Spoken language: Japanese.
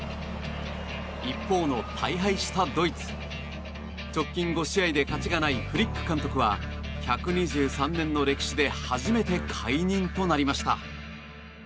一方の大敗したドイツ直近５試合で勝ちがないフリック監督は１２３年の歴史で初めて解任となりました。